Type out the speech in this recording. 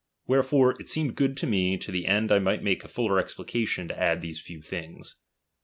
Wherefore it seemed good to me, to the end I might make a fuller explication, to add these few things.